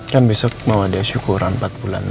kan besok mau ada syukuran empat bulanan si balon biru